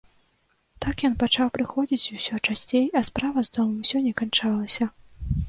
Так ён пачаў прыходзіць усё часцей, а справа з домам усё не канчалася.